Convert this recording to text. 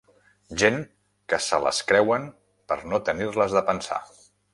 Gent que se les creuen per no tenir-les de pensar